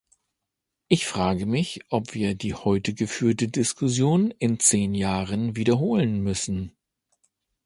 Ich frage mich, ob wir die heute geführte Diskussion in zehn Jahren wiederholen müssen.